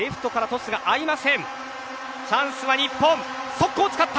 速攻を使った。